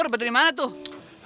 berada di mana tuh